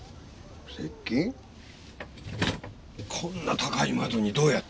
こんな高い窓にどうやって？